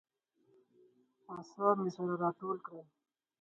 اعصاب مې سره راټول کړل.